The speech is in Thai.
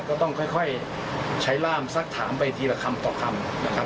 ก็ต้องค่อยใช้ร่ามสักถามไปทีละคำต่อคำนะครับ